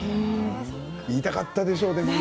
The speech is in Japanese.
言いたかったでしょうね。